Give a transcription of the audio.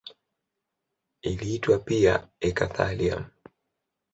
Iliitwa pia eka-thallium.